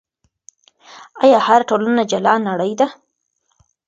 آیا هره ټولنه جلا نړۍ ده؟